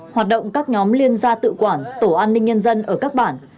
hoạt động các nhóm liên gia tự quản tổ an ninh nhân dân ở các bản